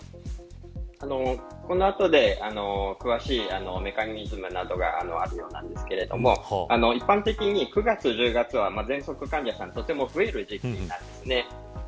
この後で詳しいメカニズムなどがあるようなんですけれども一般的に９月、１０月はぜんそく患者さんがとても増える時期なんですね。